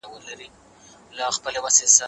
که نجونې کمپيوټر زده کړي نو له نړۍ به پرې نه وي.